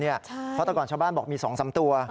เพราะตอนก่อนชาวบ้านบอกมี๒๓ตัว